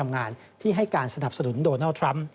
ในการสนับสนุนโดนัลด์ทรัมป์